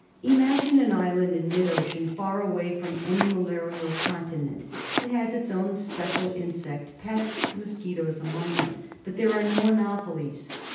Imagine an island in mid ocean, far away from any malarial continent. It has its own special insect pests, mosquitoes among them, but there are no anopheles.